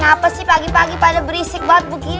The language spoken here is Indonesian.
kenapa sih pagi pagi pada berisik banget begini